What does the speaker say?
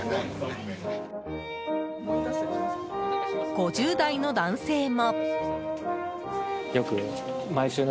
５０代の男性も。